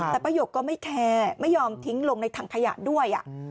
แต่ป้ายกก็ไม่แคร์ไม่ยอมทิ้งลงในถังขยะด้วย